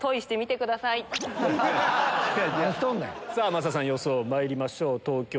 増田さん予想まいりましょう。